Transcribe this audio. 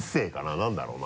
何だろうな。